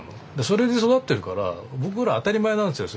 それで育ってるから僕ら当たり前なんですよ